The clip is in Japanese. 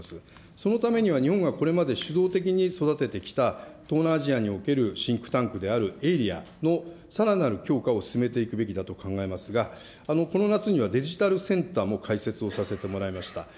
そのためには日本がこれまで主導的に育ててきた、東南アジアにおけるシンクタンクであるのさらなる強化を進めていくべきだと考えますが、この夏にはデジタルセンターも開設をさせてもらいました。